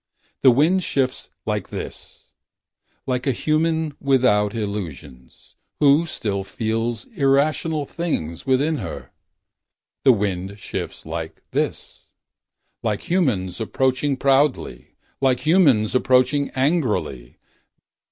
The wind shifts like this: 87 Like a human without illusions. Who still feels irrational things within her. The wind shifts like this: Like humans approaching proudly. Like humans approaching angrily.